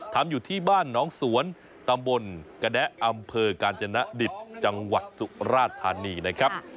อยู่ที่บ้านน้องสวนตำบลกระแด๊ะอำเภอกาญจนดิบจังหวัดสุราธานีนะครับ